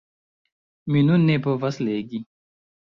Mi nun ne povas legi.